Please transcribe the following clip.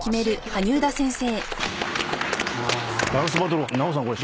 羽生田先生。